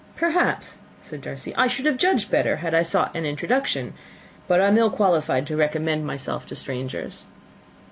"Perhaps," said Darcy, "I should have judged better had I sought an introduction, but I am ill qualified to recommend myself to strangers."